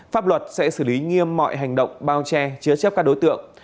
pháp luật sẽ xử lý nghiêm mọi hành động bao che chứa chấp các đối tượng